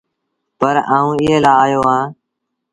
پر آئوٚنٚ ايٚئي لآ آيو اهآنٚ